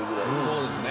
そうですね。